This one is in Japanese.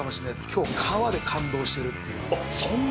今日皮で感動してるっていう。